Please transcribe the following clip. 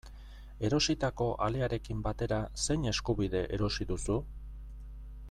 Erositako alearekin batera, zein eskubide erosi duzu?